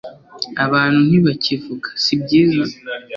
abantu ntibakivuga sibyiza